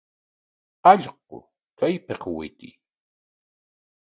¡Allqu, kaypik witiy!